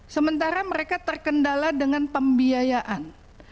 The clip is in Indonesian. sementara mereka terkendala dengan pembiayaan